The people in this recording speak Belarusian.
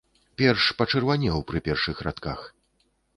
Перш пачырванеў пры першых радках.